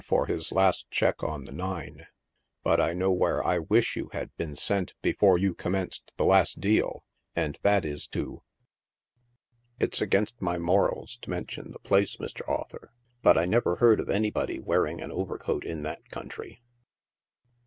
for his last check on the nine ; but I know where I wish you had been sent before you commenced the last deal, and that is to ." It's against ray morals to mention the place, Mr. Author, but I never heard of anybody wearing an overcoat in that country.